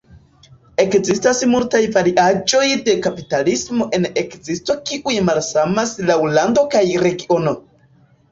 Ekzistas multaj variaĵoj de kapitalismo en ekzisto kiuj malsamas laŭ lando kaj regiono.